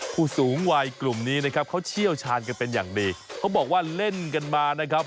ผู้สูงวัยกลุ่มนี้นะครับเขาเชี่ยวชาญกันเป็นอย่างดีเขาบอกว่าเล่นกันมานะครับ